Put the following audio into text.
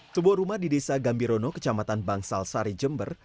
sebuah rumah di desa gambirono kecamatan bangsal sari jember